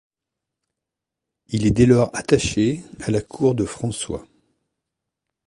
Il est dès lors attaché à la cour de François.